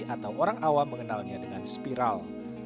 atau orang awam mengenalnya dengan spiral